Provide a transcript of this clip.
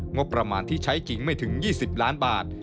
งบประมาณที่ใช้จริงไม่ถึง๒๐ล้านบาท